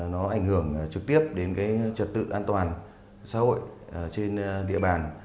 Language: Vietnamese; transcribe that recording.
nó ảnh hưởng trực tiếp đến cái trật tự an toàn xã hội trên địa bàn